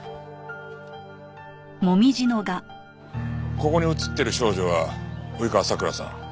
ここに写ってる少女は及川さくらさん